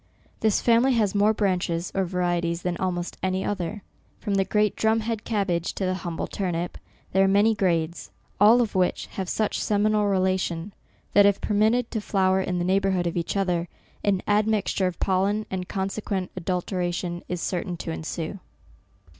This family has more branches, or varieties, than almost any other. From the great drum head cabbage to the humble turnip, there are many grades, all of SEPTEMBER. 179 which have such seminal relation, that if per mitted to flower in the neighbourhood of each other, an admixture of pollen, and consequent adulteration, is certain to ensue.